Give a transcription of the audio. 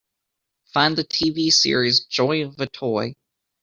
Find the TV series Joy Of A Toy